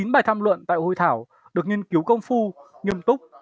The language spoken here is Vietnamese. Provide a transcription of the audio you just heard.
một trăm linh chín bài tham luận tại hội thảo được nghiên cứu công phu nghiêm túc